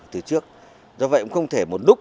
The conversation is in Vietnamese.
từ trước do vậy cũng không thể một lúc